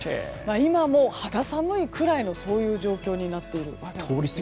今も肌寒いくらいのそういう状況になっています。